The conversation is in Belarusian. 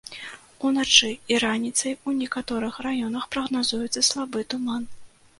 Уначы і раніцай у некаторых раёнах прагназуецца слабы туман.